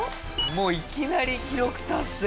もういきなり記録達成。